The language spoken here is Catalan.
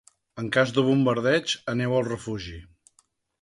En cas de bombardeig aneu al refugi.